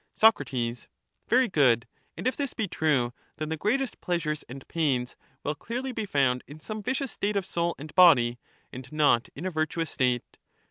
Soc, Very good, and if this be true, then the greatest pleasures and pains will clearly be found in some vicious state of soul and body, and not in a virtuous state.